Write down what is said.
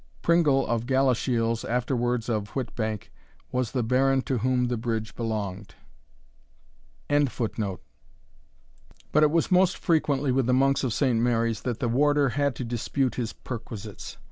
Pringle of Galashiels, afterwards of Whytbank, was the Baron to whom the bridge belonged.] But it was most frequently with the Monks of Saint Mary's that the warder had to dispute his perquisites.